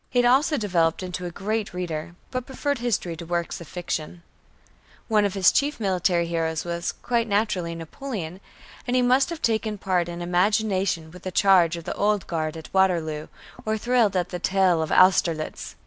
He had also developed into a great reader, but preferred history to works of fiction. One of his chief military heroes was, quite naturally, Napoleon, and he must have taken part in imagination with the charge of the Old Guard at Waterloo, or thrilled at the tale of Austerlitz.